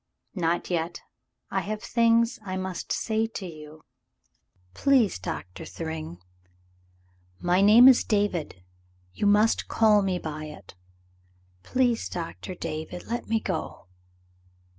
"Not yet. I have things I must say to you." Cassandra's Confession 187 « Please, Doctor Thryng." "My name is David. You must call me by it." "Please, Doctor David, let me go."